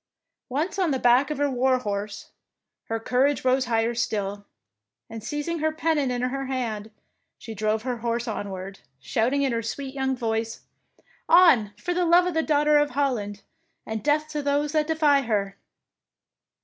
Once on the back of her war horse, her courage rose higher still, and seizing her pennon in her hand, she drove her horse onward, shouting in her sweet young voice, — On, for the love of the Daughter of Holland, and death to those that deny her!